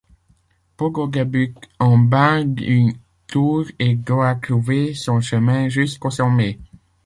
Pogo débute en bas d'une tour et doit trouver son chemin jusqu'au sommet.